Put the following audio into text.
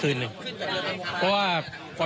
เหนื่อยก็